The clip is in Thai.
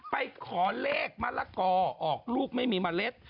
ไปขอเลขมะละกอออกลูกไม่มีเมล็ด